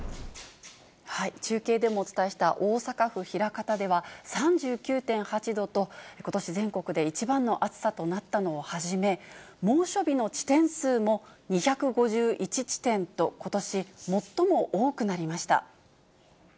中継でもお伝えした、大阪府枚方では３９．８度と、ことし全国で一番の暑さとなったのをはじめ、猛暑日の地点数も２５１地点と、ことし最も多くなりました。